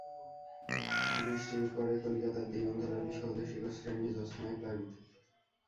বৃষ্টির পরে কলিকাতার দিগন্তব্যাপী সৌধশিখরশ্রেণী জ্যোৎস্নায় প্লাবিত।